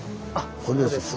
これですね。